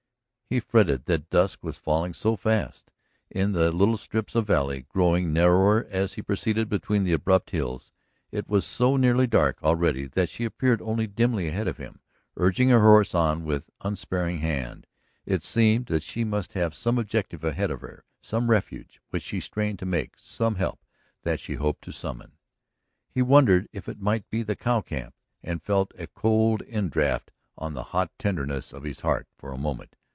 He fretted that dusk was falling so fast. In the little strips of valley, growing narrower as he proceeded between the abrupt hills, it was so nearly dark already that she appeared only dimly ahead of him, urging her horse on with unsparing hand. It seemed that she must have some objective ahead of her, some refuge which she strained to make, some help that she hoped to summon. He wondered if it might be the cow camp, and felt a cold indraft on the hot tenderness of his heart for a moment.